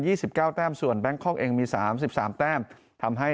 สิบเก้าแต้มส่วนแบงคอกเองมีสามสิบสามแต้มทำให้